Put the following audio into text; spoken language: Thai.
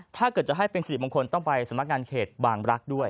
ถ้าเกิดจะให้เป็นสิริมงคลต้องไปสำนักงานเขตบางรักษ์ด้วย